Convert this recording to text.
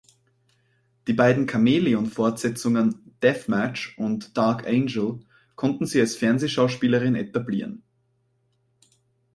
Die beiden Chamäleon-Fortsetzungen "Death Match" und "Dark Angel" konnten sie als Fernsehschauspielerin etablieren.